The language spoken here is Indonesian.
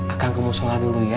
akan kemusola dulu ya